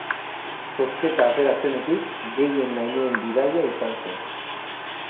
"Zozketa atera zenetik, gehien nahi nuen bidaia izan zen"